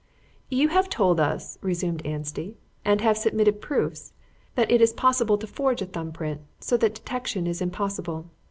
"You have told us," resumed Anstey, "and have submitted proofs, that it is possible to forge a thumb print so that detection is impossible.